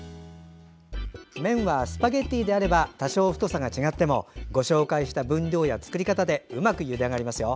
麺はスパゲッティであれば多少太さが違ってもご紹介した分量や作り方でうまくゆで上がりますよ。